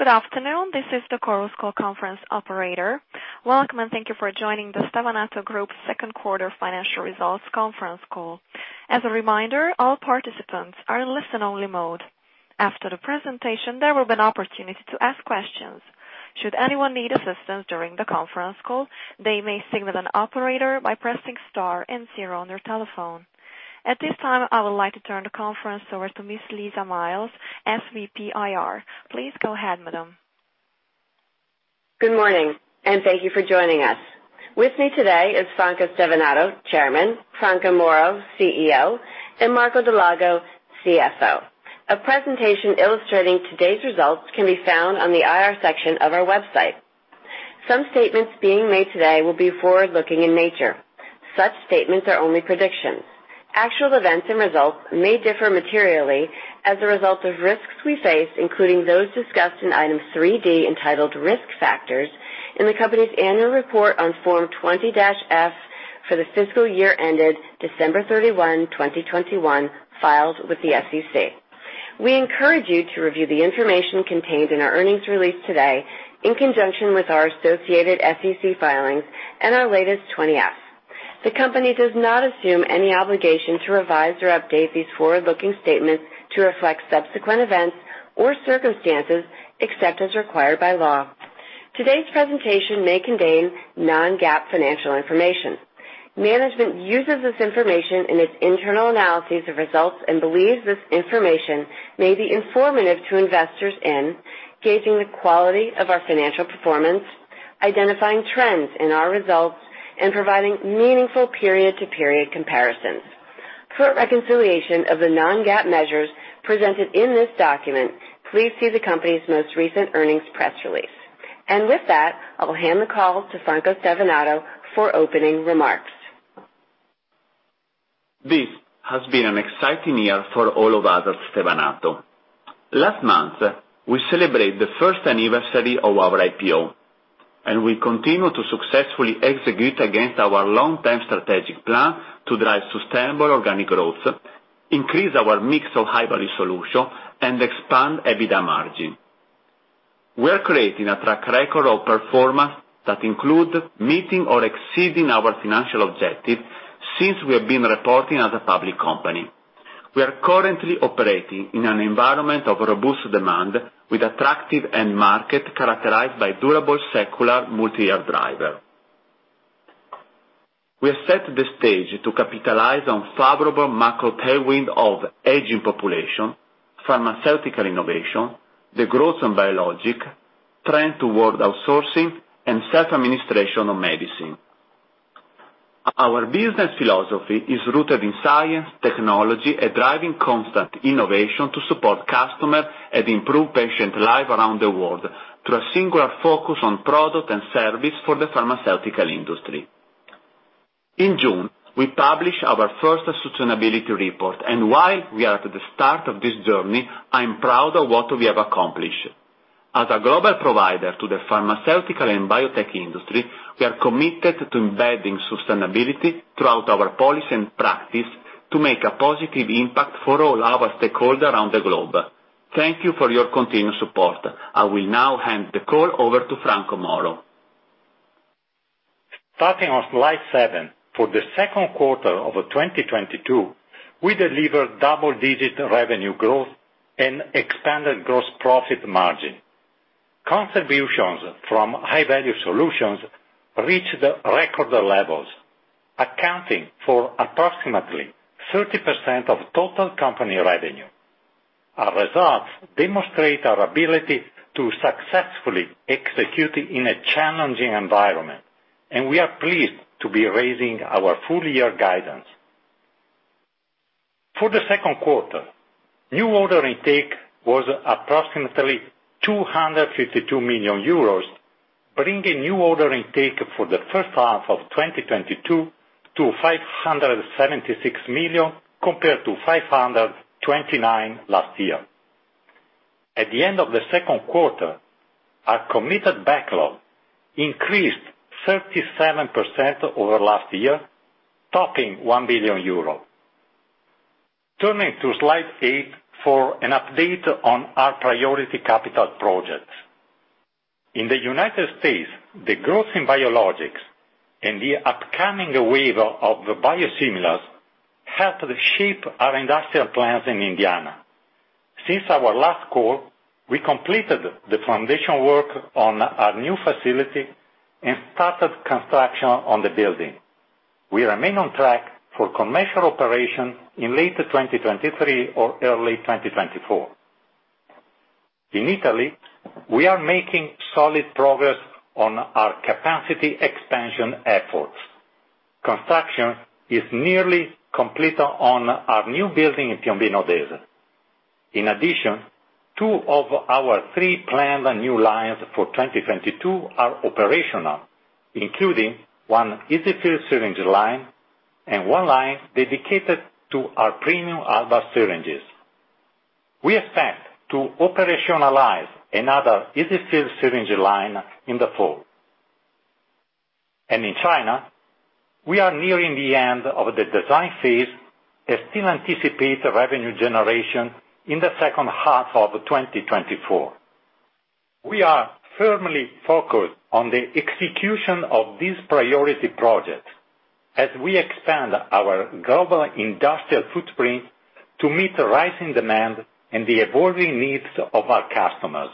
Good afternoon. This is the Chorus Call conference operator. Welcome, and thank you for joining the Stevanato Group second quarter financial results conference call. As a reminder, all participants are in listen-only mode. After the presentation, there will be an opportunity to ask questions. Should anyone need assistance during the conference call, they may signal an operator by pressing star and zero on their telephone. At this time, I would like to turn the conference over to Ms. Lisa Miles, SVP IR. Please go ahead, madam. Good morning, and thank you for joining us. With me today is Franco Stevanato, Chairman, Franco Moro, CEO, and Marco Dal Lago, CFO. A presentation illustrating today's results can be found on the IR section of our website. Some statements being made today will be forward-looking in nature. Such statements are only predictions. Actual events and results may differ materially as a result of risks we face, including those discussed in Item 3.D, entitled Risk Factors in the company's annual report on Form 20-F for the fiscal year ended December 31, 2021, filed with the SEC. We encourage you to review the information contained in our earnings release today in conjunction with our associated SEC filings and our latest 20-F. The company does not assume any obligation to revise or update these forward-looking statements to reflect subsequent events or circumstances except as required by law. Today's presentation may contain non-GAAP financial information. Management uses this information in its internal analyses of results and believes this information may be informative to investors in gauging the quality of our financial performance, identifying trends in our results, and providing meaningful period-to-period comparisons. For a reconciliation of the non-GAAP measures presented in this document, please see the company's most recent earnings press release. With that, I will hand the call to Franco Stevanato for opening remarks. This has been an exciting year for all of us at Stevanato. Last month, we celebrated the first anniversary of our IPO, and we continue to successfully execute against our long-term strategic plan to drive sustainable organic growth, increase our mix of high-value solutions, and expand EBITDA margin. We are creating a track record of performance that includes meeting or exceeding our financial objectives since we have been reporting as a public company. We are currently operating in an environment of robust demand with attractive end markets characterized by durable secular multi-year drivers. We have set the stage to capitalize on favorable macro tailwinds of aging population, pharmaceutical innovation, the growth in biologics, trend toward outsourcing, and self-administration of medicine. Our business philosophy is rooted in science, technology, and driving constant innovation to support customer and improve patient life around the world through a singular focus on product and service for the pharmaceutical industry. In June, we published our first sustainability report. While we are at the start of this journey, I'm proud of what we have accomplished. As a global provider to the pharmaceutical and biotech industry, we are committed to embedding sustainability throughout our policy and practice to make a positive impact for all our stakeholder around the globe. Thank you for your continued support. I will now hand the call over to Franco Moro. Starting on slide seven, for the second quarter of 2022, we delivered double-digit revenue growth and expanded gross profit margin. Contributions from high-value solutions reached record levels, accounting for approximately 30% of total company revenue. Our results demonstrate our ability to successfully execute in a challenging environment, and we are pleased to be raising our full year guidance. For the second quarter, new order intake was approximately 252 million euros, bringing new order intake for the first half of 2022 to 576 million compared to 529 million last year. At the end of the second quarter, our committed backlog increased 37% over last year, topping 1 billion euro. Turning to slide eight for an update on our priority capital projects. In the United States, the growth in biologics and the upcoming wave of biosimilars helped shape our industrial plans in Indiana. Since our last call, we completed the foundation work on our new facility and started construction on the building. We remain on track for commercial operation in late 2023 or early 2024. In Italy, we are making solid progress on our capacity expansion efforts. Construction is nearly complete on our new building in Piombino Dese. In addition, two of our three planned new lines for 2022 are operational, including one EZ-fill syringe line and one line dedicated to our premium Alba syringes. We expect to operationalize another EZ-fill syringe line in the fall. In China, we are nearing the end of the design phase and still anticipate revenue generation in the second half of 2024. We are firmly focused on the execution of these priority projects as we expand our global industrial footprint to meet the rising demand and the evolving needs of our customers.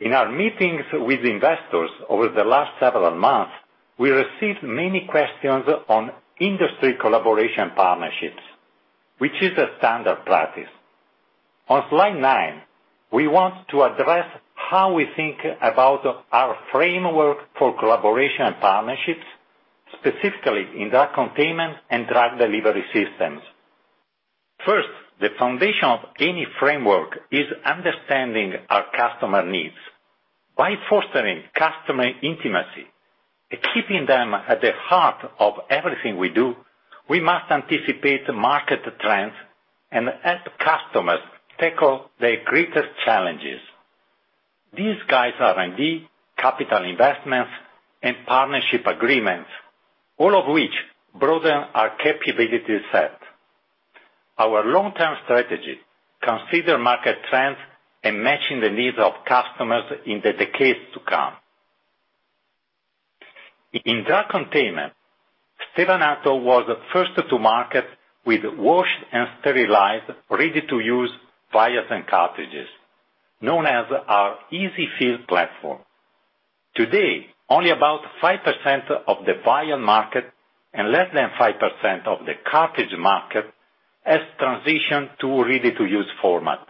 In our meetings with investors over the last several months, we received many questions on industry collaboration partnerships, which is a standard practice. On slide nine, we want to address how we think about our framework for collaboration partnerships, specifically in drug containment and drug delivery systems. First, the foundation of any framework is understanding our customer needs. By fostering customer intimacy and keeping them at the heart of everything we do, we must anticipate market trends and help customers tackle their greatest challenges. These guides R&D, capital investments, and partnership agreements, all of which broaden our capability set. Our long-term strategy consider market trends and matching the needs of customers in the decades to come. In drug containment, Stevanato was first to market with washed and sterilized, ready-to-use vials and cartridges, known as our EZ-fill platform. Today, only about 5% of the vial market and less than 5% of the cartridge market has transitioned to ready-to-use format.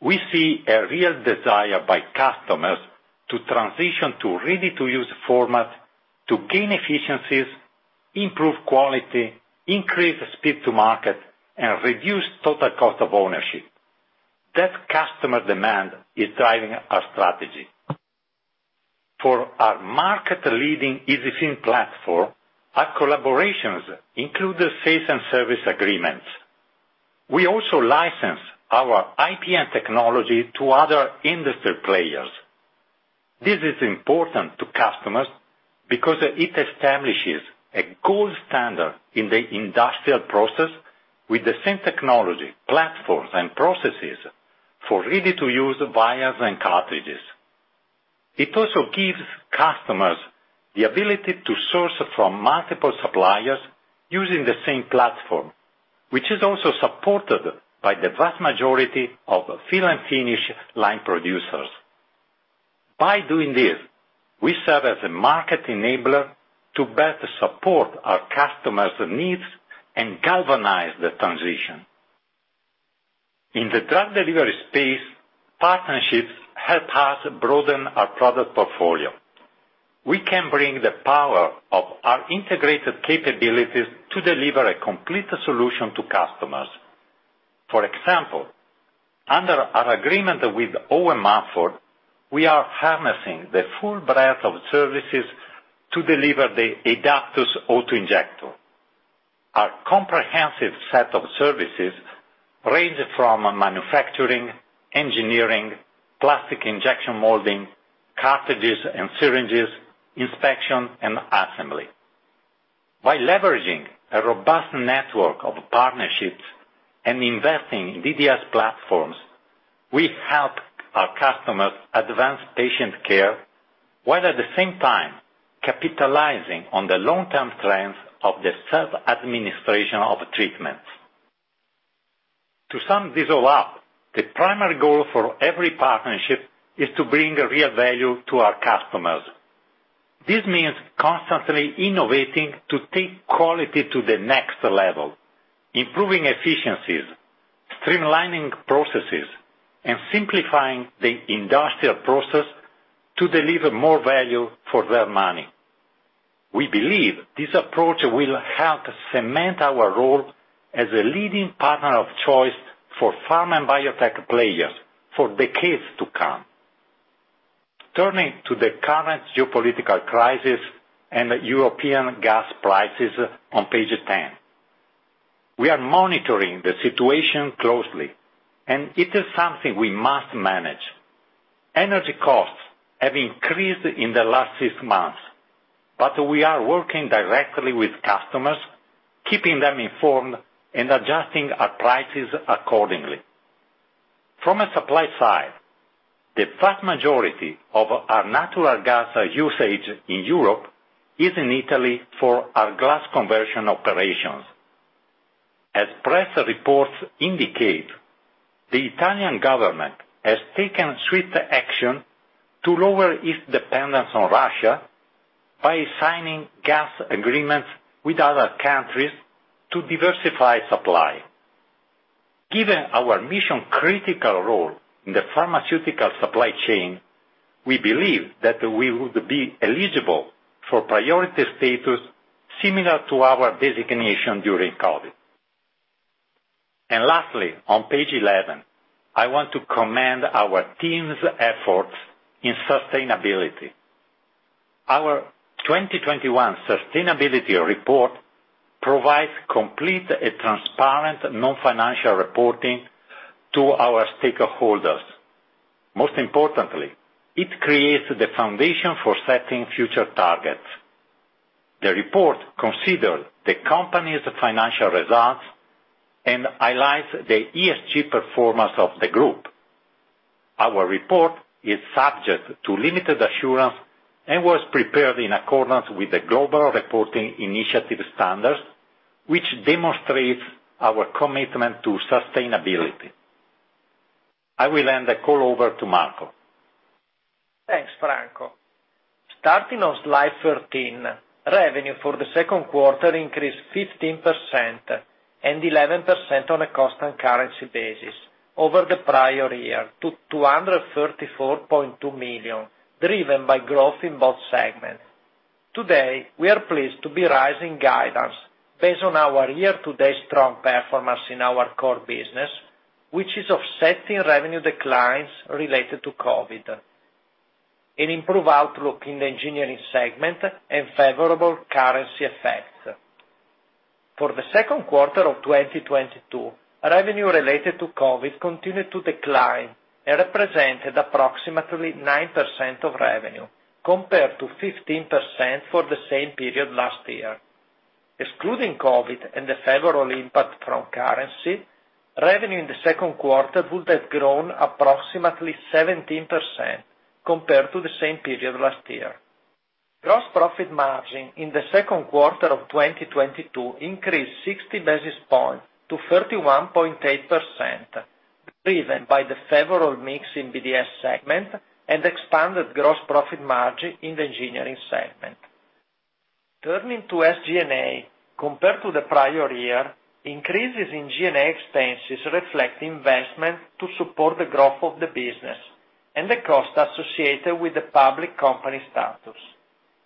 We see a real desire by customers to transition to ready-to-use format to gain efficiencies, improve quality, increase speed to market, and reduce total cost of ownership. That customer demand is driving our strategy. For our market-leading EZ-fill platform, our collaborations include the sales and service agreements. We also license our IP and technology to other industry players. This is important to customers because it establishes a gold standard in the industrial process with the same technology, platforms, and processes for ready-to-use vials and cartridges. It also gives customers the ability to source from multiple suppliers using the same platform, which is also supported by the vast majority of fill and finish line producers. By doing this, we serve as a market enabler to better support our customers' needs and galvanize the transition. In the drug delivery space, partnerships help us broaden our product portfolio. We can bring the power of our integrated capabilities to deliver a complete solution to customers. For example, under our agreement with Owen Mumford, we are harnessing the full breadth of services to deliver the Aidaptus auto-injector. Our comprehensive set of services range from manufacturing, engineering, plastic injection molding, cartridges and syringes, inspection, and assembly. By leveraging a robust network of partnerships and investing in DDS platforms, we help our customers advance patient care, while at the same time capitalizing on the long-term trends of the self-administration of treatments. To sum this all up, the primary goal for every partnership is to bring real value to our customers. This means constantly innovating to take quality to the next level, improving efficiencies, streamlining processes, and simplifying the industrial process to deliver more value for their money. We believe this approach will help cement our role as a leading partner of choice for pharma and biotech players for decades to come. Turning to the current geopolitical crisis and European gas prices on page 10. We are monitoring the situation closely, and it is something we must manage. Energy costs have increased in the last six months, but we are working directly with customers, keeping them informed, and adjusting our prices accordingly. From a supply side, the vast majority of our natural gas usage in Europe is in Italy for our glass conversion operations. As press reports indicate, the Italian government has taken swift action to lower its dependence on Russia by signing gas agreements with other countries to diversify supply. Given our mission-critical role in the pharmaceutical supply chain, we believe that we would be eligible for priority status similar to our designation during COVID. Lastly, on page 11, I want to commend our team's efforts in sustainability. Our 2021 sustainability report provides complete and transparent non-financial reporting to our stakeholders. Most importantly, it creates the foundation for setting future targets. The report considers the company's financial results and highlights the ESG performance of the group. Our report is subject to limited assurance and was prepared in accordance with the Global Reporting Initiative standards, which demonstrates our commitment to sustainability. I will hand the call over to Marco. Thanks, Franco. Starting on slide 13, revenue for the second quarter increased 15% and 11% on a constant currency basis over the prior year to 234.2 million, driven by growth in both segments. Today, we are pleased to be raising guidance based on our year-to-date strong performance in our core business, which is offsetting revenue declines related to COVID, an improved outlook in the engineering segment, and favorable currency effects. For the second quarter of 2022, revenue related to COVID continued to decline and represented approximately 9% of revenue, compared to 15% for the same period last year. Excluding COVID and the favorable impact from currency, revenue in the second quarter would have grown approximately 17% compared to the same period last year. Gross profit margin in the second quarter of 2022 increased 60 basis points to 31.8%, driven by the favorable mix in BDS segment and expanded gross profit margin in the engineering segment. Turning to SG&A, compared to the prior year, increases in G&A expenses reflect investment to support the growth of the business and the cost associated with the public company status.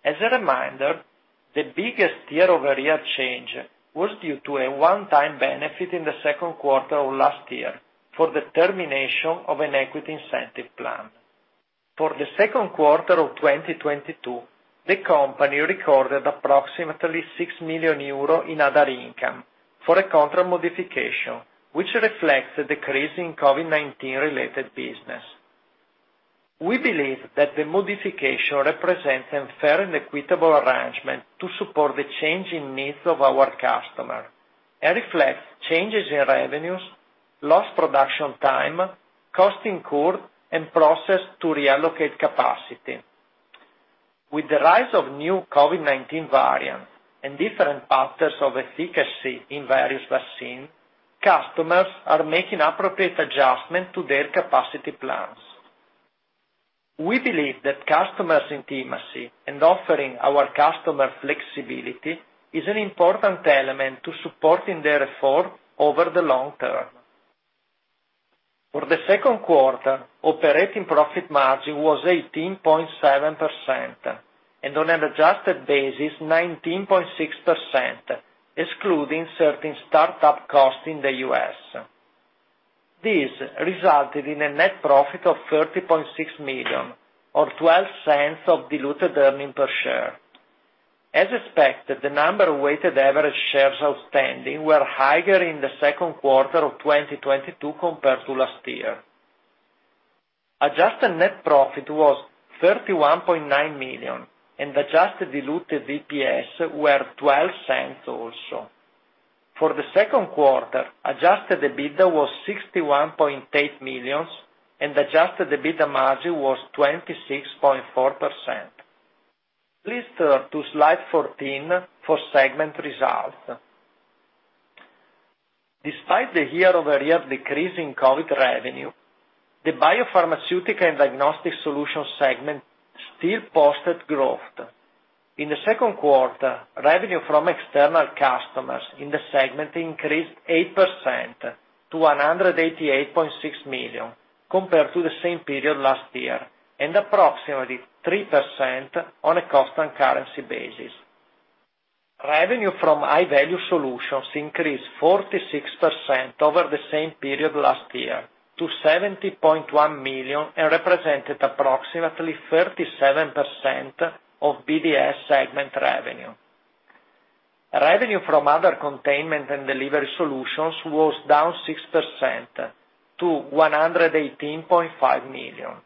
As a reminder, the biggest year-over-year change was due to a one-time benefit in the second quarter of last year for the termination of an equity incentive plan. For the second quarter of 2022, the company recorded approximately 6 million euro in other income for a contract modification, which reflects the decrease in COVID-19 related business. We believe that the modification represents a fair and equitable arrangement to support the changing needs of our customer and reflects changes in revenues, lost production time, cost incurred, and process to reallocate capacity. With the rise of new COVID-19 variants and different patterns of efficacy in various vaccines, customers are making appropriate adjustment to their capacity plans. We believe that customer intimacy and offering our customer flexibility is an important element to supporting their effort over the long term. For the second quarter, operating profit margin was 18.7%, and on an adjusted basis, 19.6%, excluding certain startup costs in the U.S. This resulted in a net profit of 30.6 million, or 0.12 of diluted earnings per share. As expected, the number of weighted average shares outstanding were higher in the second quarter of 2022 compared to last year. Adjusted net profit was 31.9 million, and adjusted diluted EPS were 0.12 also. For the second quarter, adjusted EBITDA was 61.8 million, and adjusted EBITDA margin was 26.4%. Please turn to slide 14 for segment results. Despite the year-over-year decrease in COVID revenue, the biopharmaceutical and diagnostic solutions segment still posted growth. In the second quarter, revenue from external customers in the segment increased 8% to 188.6 million compared to the same period last year, and approximately 3% on a constant currency basis. Revenue from high-value solutions increased 46% over the same period last year to 70.1 million, and represented approximately 37% of BDS segment revenue. Revenue from other containment and delivery solutions was down 6% to 118.5 million.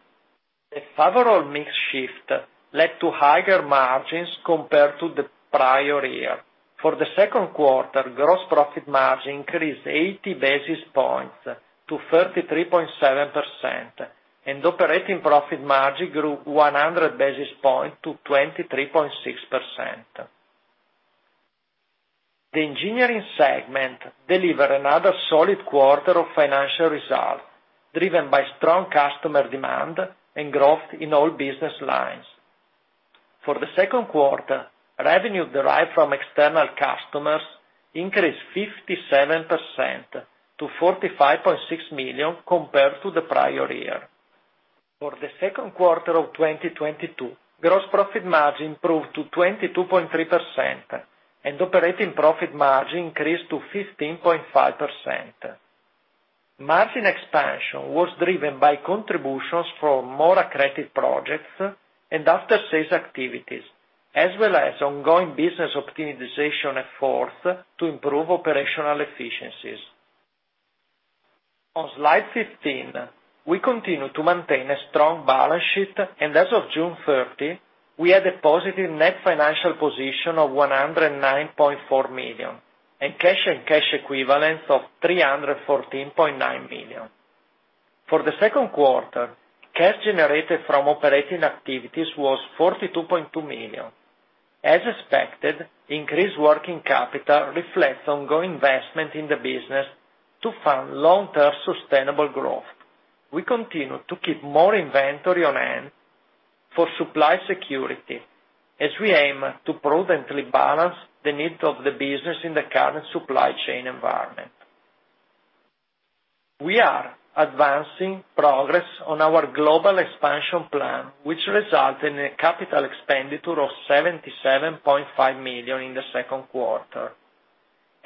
A favorable mix shift led to higher margins compared to the prior year. For the second quarter, gross profit margin increased 80 basis points to 33.7%, and operating profit margin grew 100 basis points to 23.6%. The engineering segment delivered another solid quarter of financial results, driven by strong customer demand and growth in all business lines. For the second quarter, revenue derived from external customers increased 57% to 45.6 million compared to the prior year. For the second quarter of 2022, gross profit margin improved to 22.3%, and operating profit margin increased to 15.5%. Margin expansion was driven by contributions from more accretive projects and after sales activities, as well as ongoing business optimization efforts to improve operational efficiencies. On slide 15, we continue to maintain a strong balance sheet, and as of June 30, we had a positive net financial position of 109.4 million, and cash and cash equivalents of 314.9 million. For the second quarter, cash generated from operating activities was 42.2 million. As expected, increased working capital reflects ongoing investment in the business to fund long-term sustainable growth. We continue to keep more inventory on hand for supply security as we aim to prudently balance the needs of the business in the current supply chain environment. We are advancing progress on our global expansion plan, which resulted in a capital expenditure of 77.5 million in the second quarter.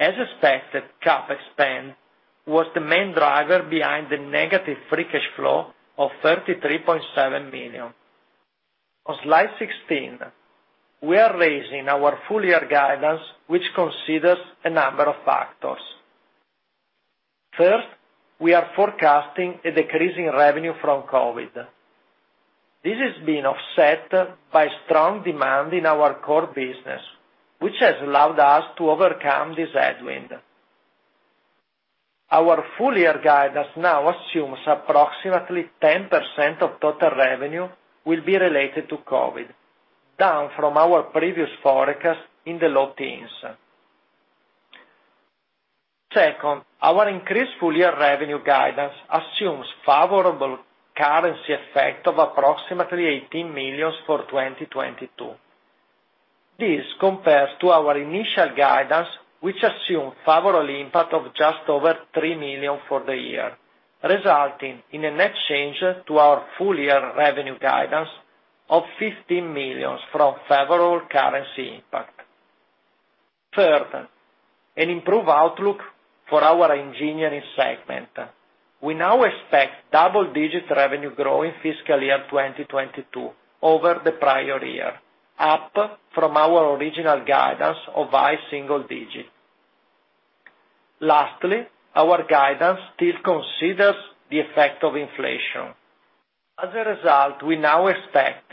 As expected, CapEx spend was the main driver behind the negative free cash flow of 33.7 million. On slide 16, we are raising our full year guidance, which considers a number of factors. First, we are forecasting a decrease in revenue from COVID. This is being offset by strong demand in our core business, which has allowed us to overcome this headwind. Our full year guidance now assumes approximately 10% of total revenue will be related to COVID, down from our previous forecast in the low teens. Second, our increased full year revenue guidance assumes favorable currency effect of approximately 18 million for 2022. This compares to our initial guidance, which assumed favorable impact of just over 3 million for the year, resulting in a net change to our full year revenue guidance of 15 million from favorable currency impact. Third, an improved outlook for our engineering segment. We now expect double-digit revenue growth in fiscal year 2022 over the prior year, up from our original guidance of high single-digit. Lastly, our guidance still considers the effect of inflation. As a result, we now expect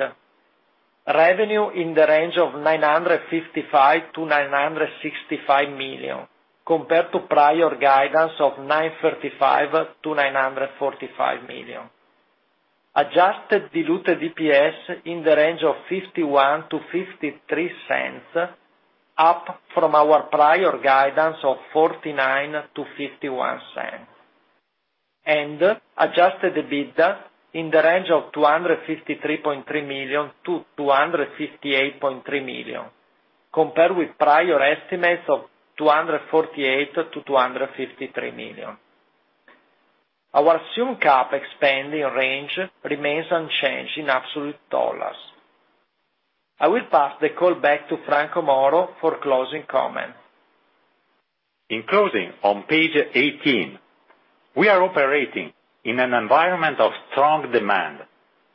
revenue in the range of 955 million-965 million, compared to prior guidance of 935 million-945 million. Adjusted diluted EPS in the range of 0.51-0.53, up from our prior guidance of 0.49-0.51. Adjusted EBITDA in the range of 253.3 million-258.3 million, compared with prior estimates of 248 million-253 million. Our assumed CapEx spending range remains unchanged in absolute dollars. I will pass the call back to Franco Moro for closing comments. In closing, on page 18, we are operating in an environment of strong demand,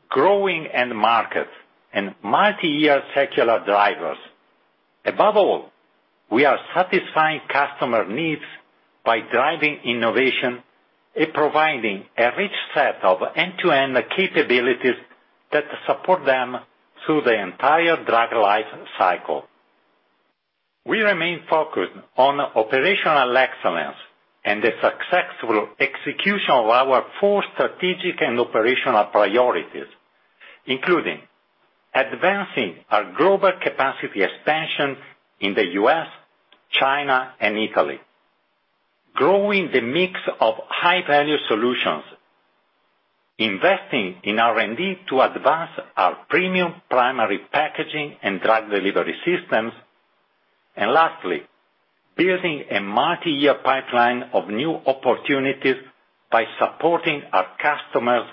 growing end markets and multi-year secular drivers. Above all, we are satisfying customer needs by driving innovation and providing a rich set of end-to-end capabilities that support them through the entire drug life cycle. We remain focused on operational excellence and the successful execution of our four strategic and operational priorities, including advancing our global capacity expansion in the U.S., China and Italy, growing the mix of high value solutions, investing in R&D to advance our premium primary packaging and drug delivery systems, and lastly, building a multi-year pipeline of new opportunities by supporting our customers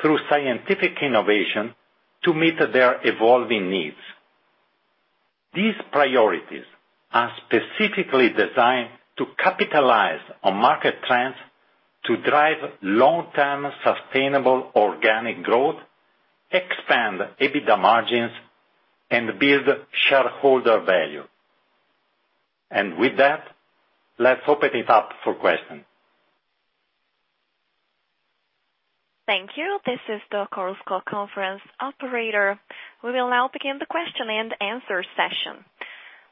through scientific innovation to meet their evolving needs. These priorities are specifically designed to capitalize on market trends to drive long-term sustainable organic growth, expand EBITDA margins and build shareholder value. With that, let's open it up for questions. Thank you. This is the Chorus Call conference operator. We will now begin the question and answer session.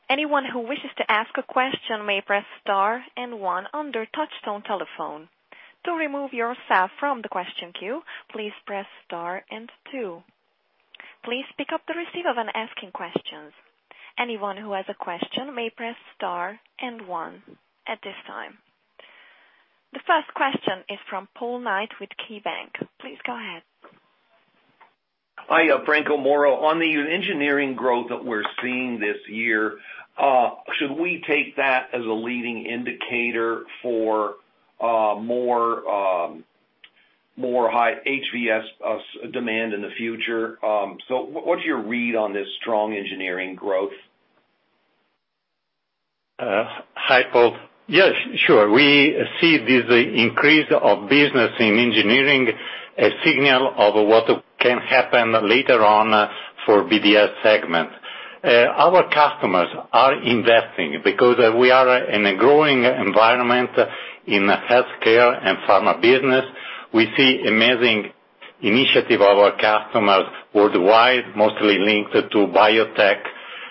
Anyone who wishes to ask a question may press star and one on their touchtone telephone. To remove yourself from the question queue, please press star and two. Please pick up the receiver when asking questions. Anyone who has a question may press star and one at this time. The first question is from Paul Knight with KeyBanc. Please go ahead. Hi, Franco Moro. On the engineering growth that we're seeing this year, should we take that as a leading indicator for more high HVS demand in the future? What's your read on this strong engineering growth? Hi, Paul. Yes, sure. We see this increase of business in engineering, a signal of what can happen later on for BDS segment. Our customers are investing because we are in a growing environment in healthcare and pharma business. We see amazing initiative of our customers worldwide, mostly linked to biotech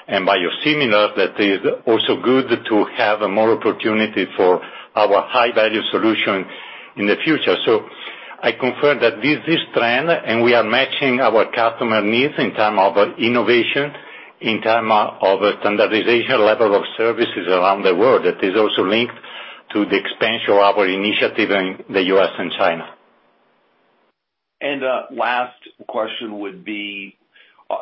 and biosimilar. That is also good to have more opportunity for our high value solution in the future. I confirm that this trend and we are matching our customer needs in terms of innovation, in terms of standardization, level of services around the world. That is also linked to the expansion of our initiative in the U.S. and China. Last question would be,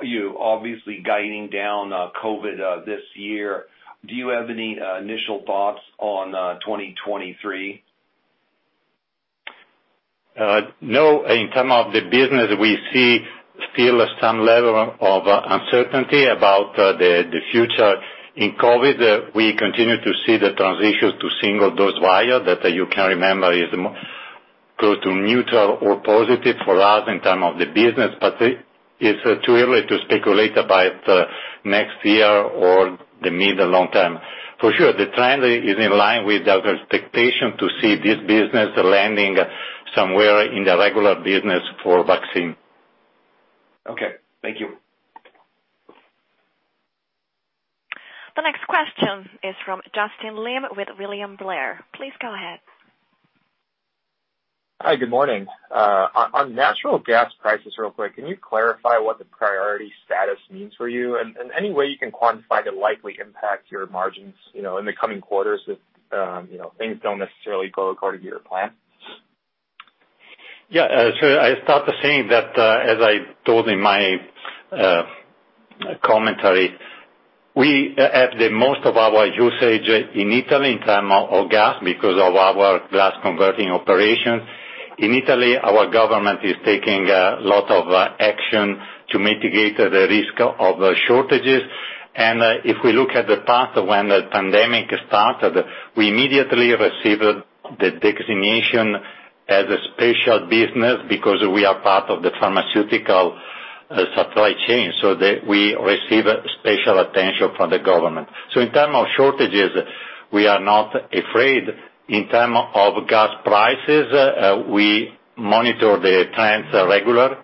you obviously guiding down COVID this year. Do you have any initial thoughts on 2023? No. In terms of the business, we see still some level of uncertainty about the future in COVID. We continue to see the transition to single-dose vial that you can remember is going to neutral or positive for us in terms of the business. It's too early to speculate about next year or the mid- to long-term. For sure, the trend is in line with our expectation to see this business landing somewhere in the regular business for vaccine. Okay, thank you. The next question is from Justin Lin with William Blair. Please go ahead. Hi, good morning. On natural gas prices real quick, can you clarify what the priority status means for you? Any way you can quantify the likely impact to your margins, you know, in the coming quarters if, you know, things don't necessarily go according to your plan? I start saying that, as I told in my commentary, we have the most of our usage in Italy in terms of gas because of our glass converting operations. In Italy, our government is taking a lot of action to mitigate the risk of shortages. If we look at the past when the pandemic started, we immediately received the designation as a special business because we are part of the pharmaceutical supply chain, so that we receive special attention from the government. In terms of shortages, we are not afraid. In terms of gas prices, we monitor the trends regularly,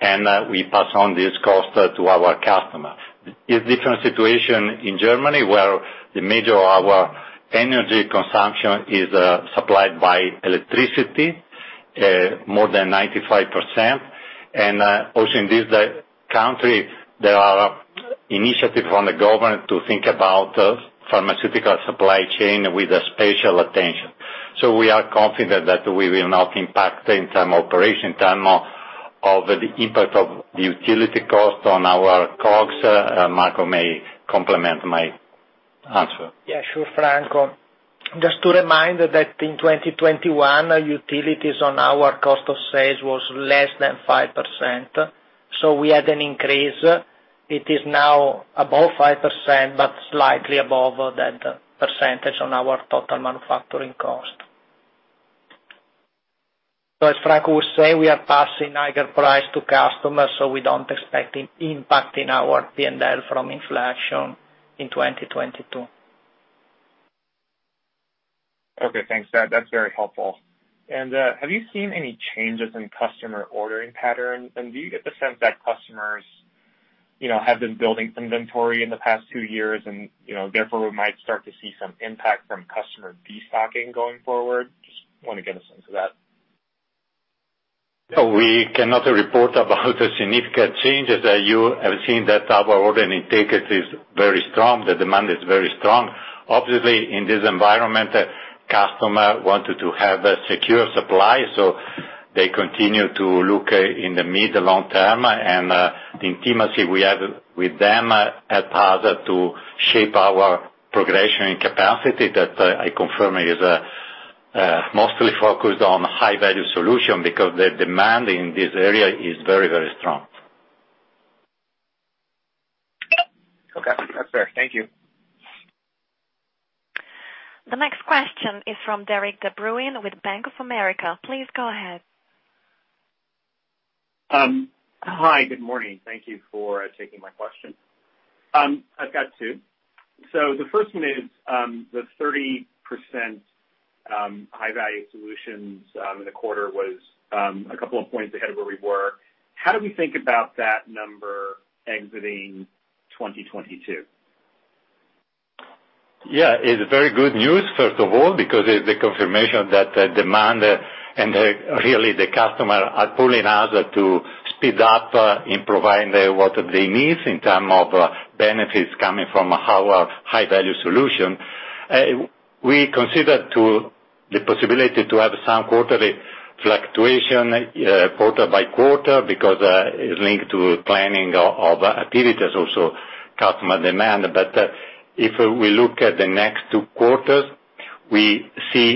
and we pass on this cost to our customer. It's a different situation in Germany, where the majority of our energy consumption is supplied by electricity, more than 95%. Also in this country, there are initiatives from the government to think about pharmaceutical supply chain with a special attention. We are confident that we will not impact in terms of operation, in terms of the impact of the utility cost on our costs. Marco may complement my answer. Yeah, sure, Franco. Just to remind that in 2021, utilities on our cost of sales was less than 5%, so we had an increase. It is now above 5%, but slightly above that percentage on our total manufacturing cost. As Franco was saying, we are passing higher price to customers, so we don't expect impact in our P&L from inflation in 2022. Okay, thanks. That's very helpful. Have you seen any changes in customer ordering patterns? Do you get the sense that customers, you know, have been building inventory in the past two years and, you know, therefore we might start to see some impact from customer destocking going forward? Just want to get a sense of that. We cannot report about the significant changes. You have seen that our order intake is very strong, the demand is very strong. Obviously, in this environment, customer wanted to have a secure supply, so they continue to look in the mid long term. The intimacy we have with them help us to shape our progression and capacity that I confirm is mostly focused on high value solution because the demand in this area is very, very strong. Okay, that's fair. Thank you. The next question is from Derik De Bruin with Bank of America. Please go ahead. Hi, good morning. Thank you for taking my question. I've got two. The first one is, the 30%, high value solutions, in the quarter was, a couple of points ahead of where we were. How do we think about that number exiting 2022? Yeah, it's very good news, first of all, because it's the confirmation that the demand and really the customer are pulling us to speed up in providing what they need in term of benefits coming from our high value solution. We consider the possibility to have some quarterly fluctuation quarter by quarter because it's linked to planning of activities, also customer demand. If we look at the next two quarters We see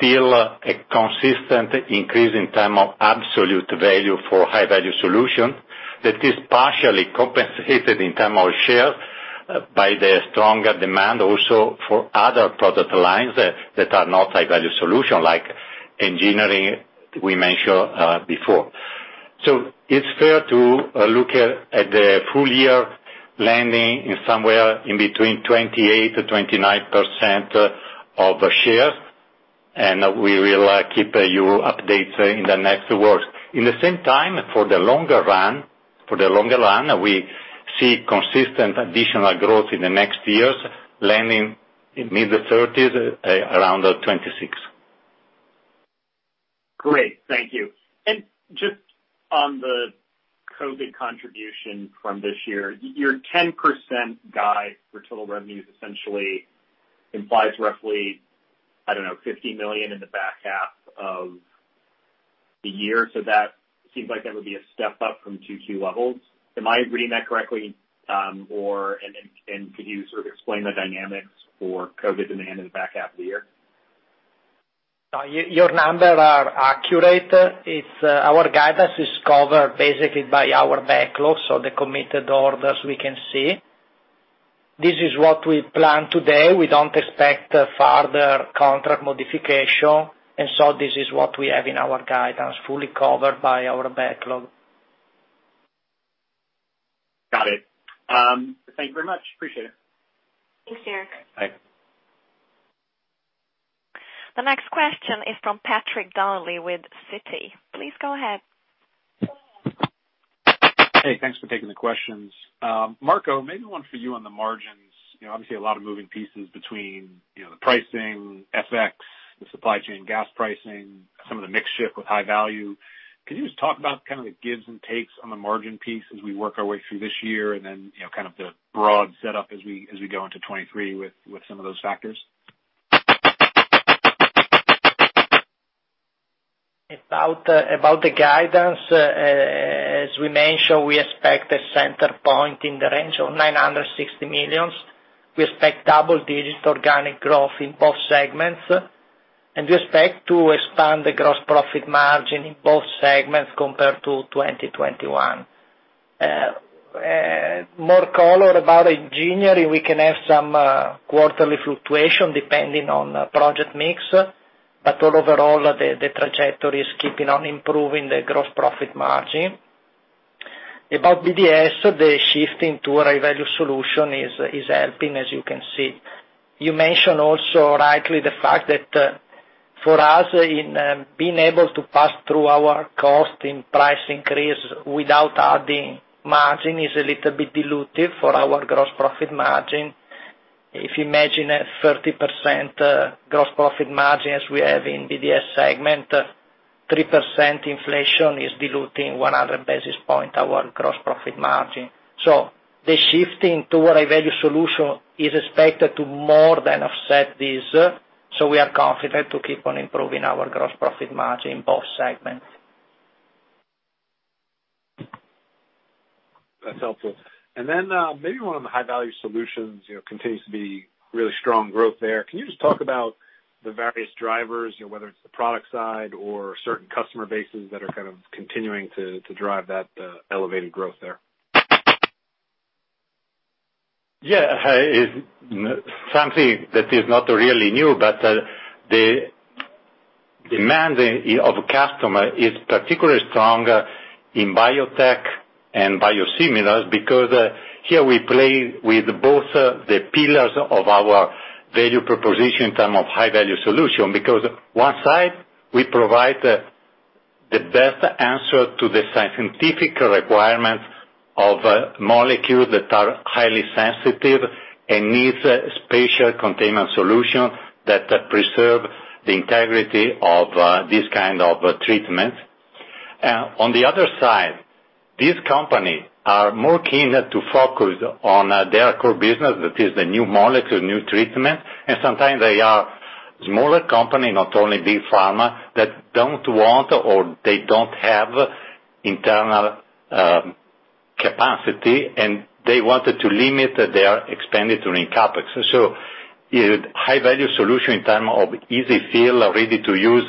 still a consistent increase in terms of absolute value for high value solution that is partially compensated in terms of shares by the stronger demand also for other product lines that are not high value solution like engineering we mentioned before. It's fair to look at the full year landing in somewhere in between 28%-29% of the shares, and we will keep you updated in the next quarters. At the same time, for the longer run, we see consistent additional growth in the next years landing in mid-30s, around the 2026. Great. Thank you. Just on the COVID contribution from this year, your 10% guide for total revenues essentially implies roughly, I don't know, 50 million in the back half of the year. That seems like that would be a step up from 2Q levels. Am I reading that correctly? Could you sort of explain the dynamics for COVID demand in the back half of the year? Your numbers are accurate. Our guidance is covered basically by our backlogs, so the committed orders we can see. This is what we plan today. We don't expect further contract modification, and so this is what we have in our guidance, fully covered by our backlog. Got it. Thank you very much. Appreciate it. Thanks, Derik. Bye. The next question is from Patrick Donnelly with Citi. Please go ahead. Hey, thanks for taking the questions. Marco, maybe one for you on the margins. You know, obviously a lot of moving pieces between, you know, the pricing, FX, the supply chain gas pricing, some of the mix shift with high value. Can you just talk about kind of the gives and takes on the margin piece as we work our way through this year, and then, you know, kind of the broad setup as we go into 2023 with some of those factors? About the guidance, as we mentioned, we expect a center point in the range of 960 million. We expect double-digit organic growth in both segments, and we expect to expand the gross profit margin in both segments compared to 2021. More color about engineering, we can have some quarterly fluctuation depending on project mix. Overall, the trajectory is keeping on improving the gross profit margin. About BDS, the shift into a high-value solution is helping, as you can see. You mentioned also rightly the fact that for us in being able to pass through our cost and price increase without adding margin is a little bit dilutive for our gross profit margin. If you imagine a 30% gross profit margin as we have in BDS segment, 3% inflation is diluting 100 basis points our gross profit margin. The shifting to a high value solution is expected to more than offset this, so we are confident to keep on improving our gross profit margin in both segments. That's helpful. Maybe one on the high value solutions, you know, continues to be really strong growth there. Can you just talk about the various drivers, you know, whether it's the product side or certain customer bases that are kind of continuing to drive that elevated growth there? Yeah. It's something that is not really new, but the demand of customer is particularly strong in biotech and biosimilars because here we play with both the pillars of our value proposition in terms of high value solution. Because on one side we provide the best answer to the scientific requirements of molecules that are highly sensitive and needs a special containment solution that preserve the integrity of this kind of treatment. On the other side, these companies are more keen to focus on their core business. That is the new molecule, new treatment. Sometimes they are smaller company, not only big pharma, that don't want or they don't have internal capacity, and they wanted to limit their expenditure in CapEx. High value solution in terms of EZ-fill or ready-to-use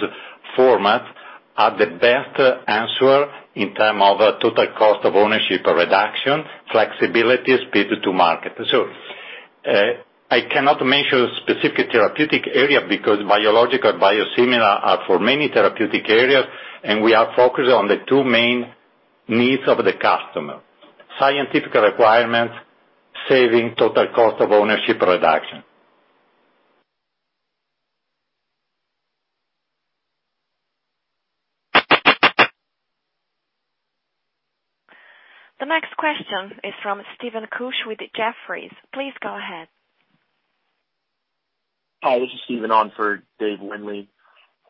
formats are the best answer in terms of total cost of ownership reduction, flexibility, speed to market. I cannot mention specific therapeutic area because biologics, biosimilars are for many therapeutic areas, and we are focused on the two main needs of the customer, scientific requirements, saving total cost of ownership reduction. The next question is from Steven Couche with Jefferies. Please go ahead. Hi, this is Steven on for Dave Windley.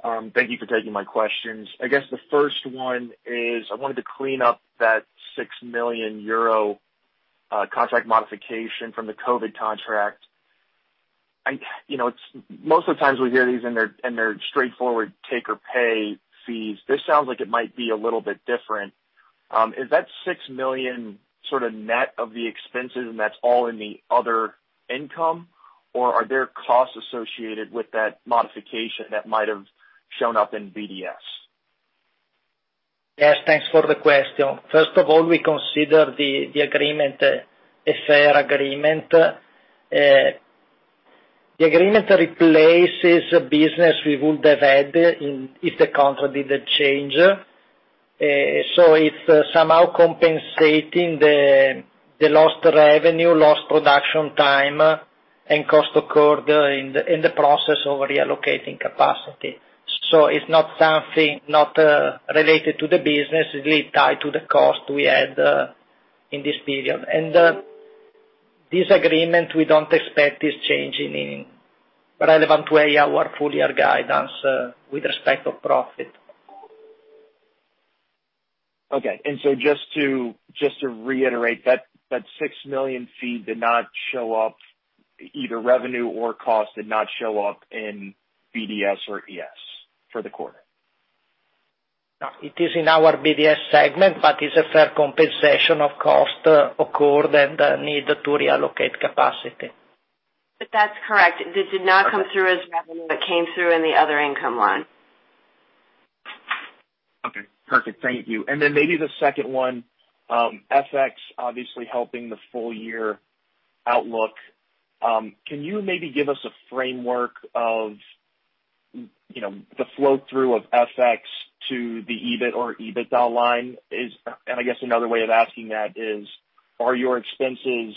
Thank you for taking my questions. I guess the first one is I wanted to clean up that 6 million euro contract modification from the COVID contract. You know, most of the times we hear these and they're straightforward take or pay fees. This sounds like it might be a little bit different. Is that six million sort of net of the expenses and that's all in the other income? Or are there costs associated with that modification that might have shown up in BDS? Yes, thanks for the question. First of all, we consider the agreement a fair agreement. The agreement replaces business we would have had if the contract didn't change. So it's somehow compensating the lost revenue, lost production time and cost occurred in the process of reallocating capacity. So it's not something related to the business. It's really tied to the cost we had in this period. This agreement, we don't expect is changing in relevant way our full year guidance with respect of profit. Okay. Just to reiterate, that 6 million fee did not show up, either revenue or cost did not show up in BDS or ES for the quarter? No, it is in our BDS segment, but it's a fair compensation for costs incurred and the need to reallocate capacity. That's correct. This did not come through as revenue. It came through in the other income line. Okay, perfect. Thank you. Maybe the second one, FX obviously helping the full year outlook. Can you maybe give us a framework of, you know, the flow through of FX to the EBIT or EBITDA line? I guess another way of asking that is, are your expenses,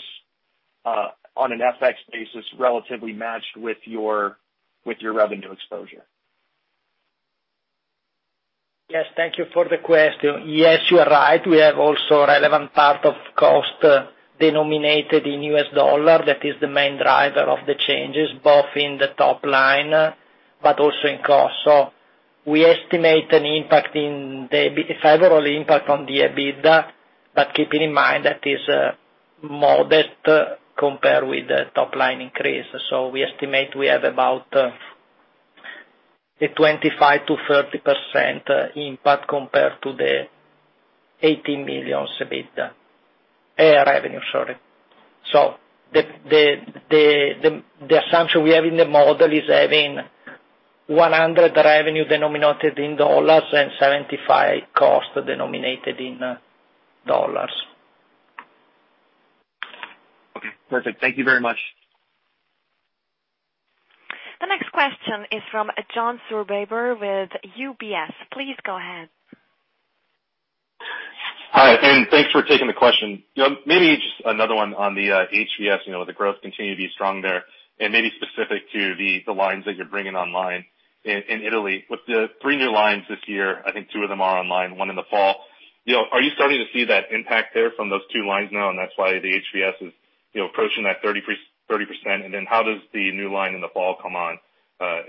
on an FX basis, relatively matched with your revenue exposure? Yes, thank you for the question. Yes, you are right. We have also relevant part of cost denominated in U.S. dollar. That is the main driver of the changes, both in the top line but also in cost. We estimate a favorable impact on the EBITDA, but keeping in mind that is modest compared with the top line increase. We estimate we have about a 25%-30% impact compared to the 18 million revenue. Sorry. The assumption we have in the model is having 100% revenue denominated in dollars and 75% cost denominated in dollars. Okay, perfect. Thank you very much. The next question is from John Sourbeer with UBS. Please go ahead. Hi, thanks for taking the question. You know, maybe just another one on the HVS. You know, the growth continue to be strong there and maybe specific to the lines that you're bringing online in Italy. With the three new lines this year, I think two of them are online, one in the fall. You know, are you starting to see that impact there from those two lines now, and that's why the HVS is approaching that 30%? Then how does the new line in the fall come on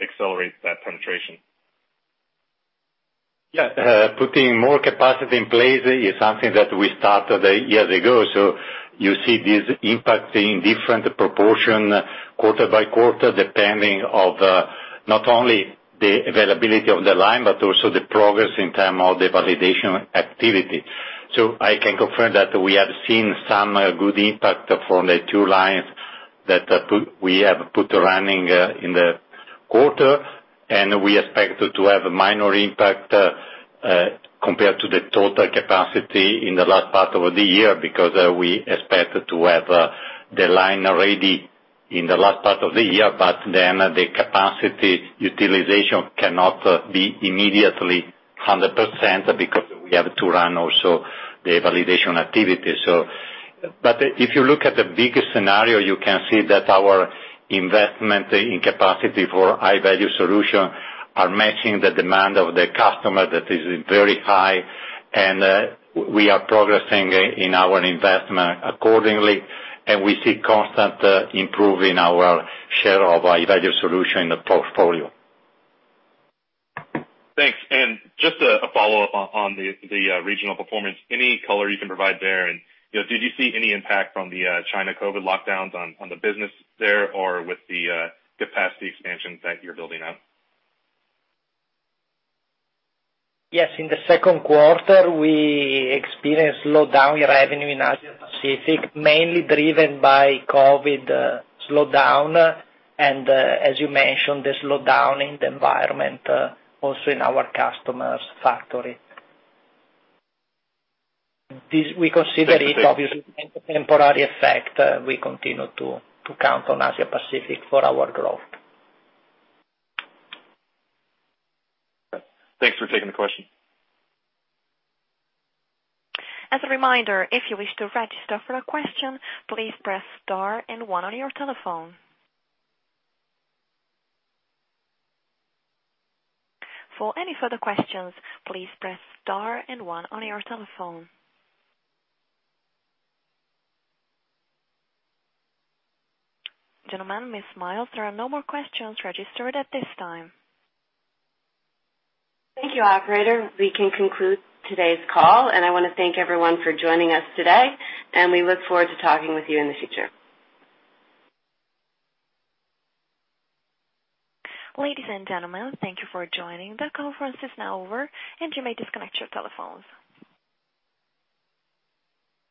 accelerate that penetration? Yeah. Putting more capacity in place is something that we started a year ago. You see this impacting different proportion quarter by quarter, depending on not only the availability of the line, but also the progress in terms of the validation activity. I can confirm that we have seen some good impact from the two lines that we have put running in the quarter, and we expect to have a minor impact compared to the total capacity in the last part of the year, because we expect to have the line ready in the last part of the year. Then the capacity utilization cannot be immediately 100% because we have to run also the validation activity. If you look at the bigger scenario, you can see that our investment in capacity for high-value solution are matching the demand of the customer that is very high, and we are progressing in our investment accordingly, and we see constant improvement in our share of high-value solution in the portfolio. Thanks. Just a follow-up on the regional performance. Any color you can provide there? You know, did you see any impact from the China COVID lockdowns on the business there or with the capacity expansions that you're building out? Yes, in the second quarter we experienced slowdown in revenue in Asia Pacific, mainly driven by COVID slowdown. As you mentioned, the slowdown in the environment also in our customers' factory. This we consider it obviously a temporary effect. We continue to count on Asia Pacific for our growth. Thanks for taking the question. As a reminder, if you wish to register for a question, please press star and one on your telephone. For any further questions, please press star and one on your telephone. Gentlemen, Ms. Miles, there are no more questions registered at this time. Thank you, operator. We can conclude today's call, and I wanna thank everyone for joining us today, and we look forward to talking with you in the future. Ladies and gentlemen, thank you for joining. The conference is now over, and you may disconnect your telephones.